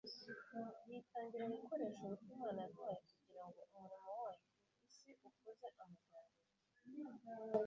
Yitangira gukoresha uburyo Imana yaduhaye kugira ngo umurimo wayo mu isi ukuze amajyambere.